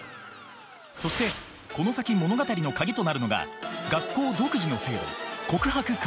そしてこの先物語の鍵となるのが学校独自の制度「告白カード」。